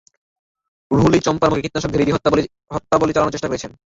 রুহুলই চম্পার মুখে কীটনাশক ঢেলে দিয়ে হত্যা বলে চালানোর চেষ্টা করেছেন।